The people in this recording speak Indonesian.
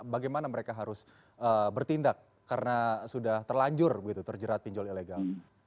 bagaimana mereka harus bertindak karena sudah terlanjur begitu terjerat pinjol ilegal